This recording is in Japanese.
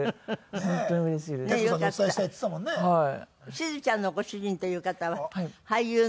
しずちゃんのご主人という方は俳優の佐藤さん。